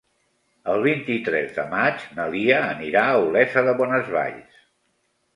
El vint-i-tres de maig na Lia anirà a Olesa de Bonesvalls.